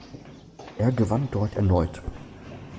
Er gewann dort erneut.